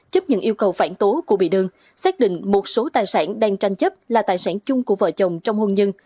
chấp nhận yêu cầu phản tố của bị đơn xác định một số tài sản đang tranh chấp là tài sản chung của vợ chồng trong hôn nhân